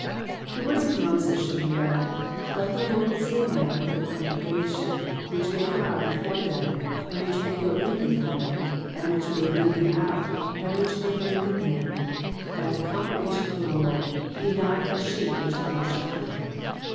The words of Moses should be read :Let the Lord set a man \ over the congregation, which may go out before them, and which may go in before them, and which may lead them out, and which may bring them in : that the congregation of the Lord be not as sheep which have no shepherd.